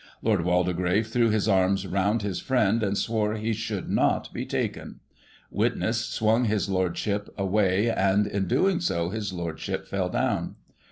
Lord Waldegrave threw his arms round his friend, and swore he should not be taken. Witness swung his Lordship away, and, in doing so, his Lordship fell down.